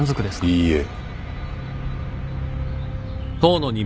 いいえ。